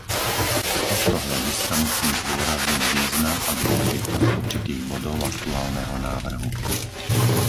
Z tohto hľadiska musím zdôrazniť význam a dôležitosť určitých bodov aktuálneho návrhu.